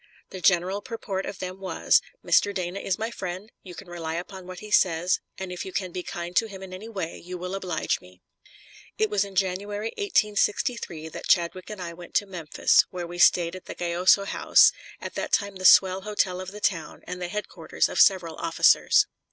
The general purport of them was: "Mr. Dana is my friend; you can rely upon what he says, and if you can be kind to him in any way you will oblige me." It was in January, 1863, that Chadwick and I went to Memphis, where we stayed at the Gayoso House, at that time the swell hotel of the town and the headquarters of several officers.